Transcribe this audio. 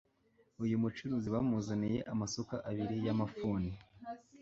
Uyu mucuzi bamuzaniye amasuka abiri y'amafuni